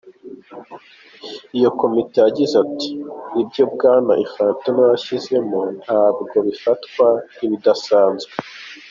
Iyo komite yagize iti:" Ibyo Bwana Infantino yishimyemo ntabwo bifatwa nk'ibidasanzwe.